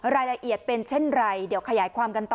รายละเอียดเป็นเช่นไรเดี๋ยวขยายความกันต่อ